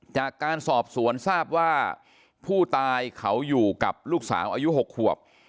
จากการสอบสวนทราบว่าผู้ตายเขาอยู่กับลูกสาวอายุ๖ขวบ